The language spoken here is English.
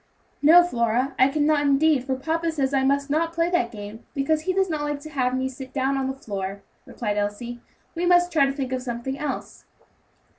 "No, Flora, I cannot indeed, for papa says I must not play that game, because he does not like to have me sit down on the floor," replied Elsie. "We must try to think of something else."